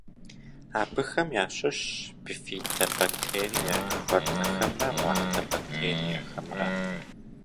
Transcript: Абыхэм ящыщщ бифидобактерие жыхуэтӏэхэмрэ лактобактериехэмрэ.